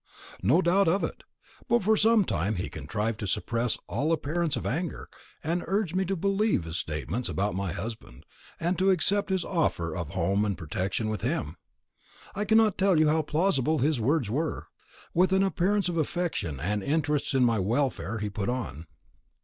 "No doubt of it; but for some time he contrived to suppress all appearance of anger, and urged me to believe his statements about my husband, and to accept his offer of a home and protection with him. I cannot tell you how plausible his words were what an appearance of affection and interest in my welfare he put on.